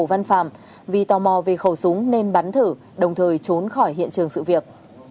văn phòng vì tò mò về khẩu súng nên bắn thử đồng thời trốn khỏi hiện trường sự việc